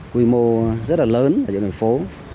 quy mô rất là lớn ở những nơi phố